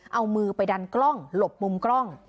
เอามือไปดันกล้องหลบมุมกล้อง